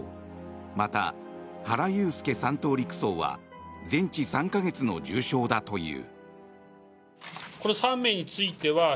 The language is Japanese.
また、原悠介３等陸曹は全治３か月の重傷だという。